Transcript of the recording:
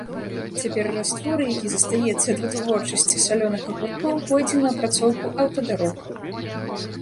Цяпер раствор, які застаецца ад вытворчасці салёных агуркоў, пойдзе на апрацоўку аўтадарог.